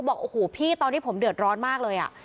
บอกโอ้โหพี่ตอนนี้ผมเดือดร้อนมากเลย